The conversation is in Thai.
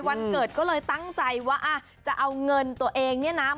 วันเกิดก็เลยตั้งใจว่าจะเอาเงินตัวเองเนี่ยนะ